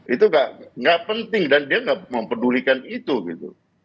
itu nggak penting dan dia nggak mempedulikan itu gitu